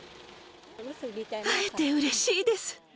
会えてうれしいです。